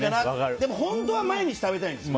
でも本当は毎日食べたいんです。